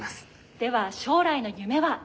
「では将来の夢は？」。